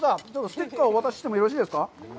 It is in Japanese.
ステッカーをお渡ししてもよろしいですか。